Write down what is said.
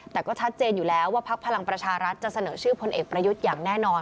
แต่ก็ชัดเจนอยู่แล้วว่าพักพลังประชารัฐจะเสนอชื่อพลเอกประยุทธ์อย่างแน่นอน